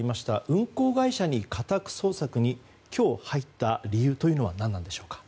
運航会社に家宅捜索に今日、入った理由というのは何なんでしょうか？